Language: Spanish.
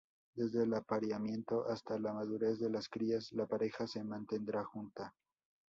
Desde el apareamiento hasta la madurez de las crías, la pareja se mantendrá junta.